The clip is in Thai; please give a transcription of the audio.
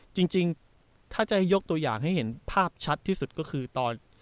จริงถ้าจะยกตัวอย่างให้เห็นภาพชัดที่สุดก็คือตอน